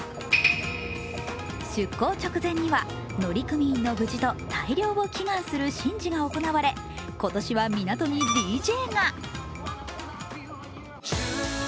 出港直前には乗組員の無事と大漁を祈願する神事が行われ今年は港にＤＪが。